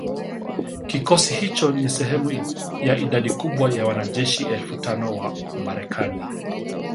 Kikosi hicho ni sehemu ya idadi kubwa ya wanajeshi elfu tano wa Marekani